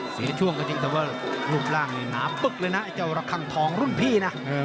เสียช่วงก็จริงแต่ว่ารูปร่างนี่หนาปึ๊กเลยนะไอ้เจ้าระคังทองรุ่นพี่นะ